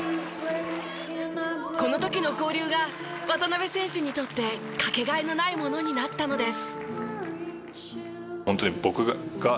この時の交流が渡邊選手にとってかけがえのないものになったのです。